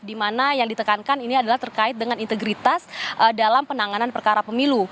di mana yang ditekankan ini adalah terkait dengan integritas dalam penanganan perkara pemilu